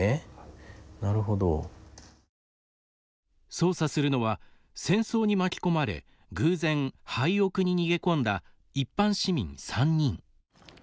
操作するのは、戦争に巻き込まれ偶然廃屋に逃げ込んだ一般市民３人。